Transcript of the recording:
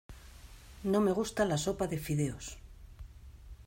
No me gusta la sopa de fideos.